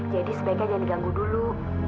jadi sebaiknya jangan diganggu dulu